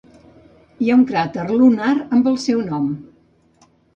Hi ha un cràter lunar amb el seu nom.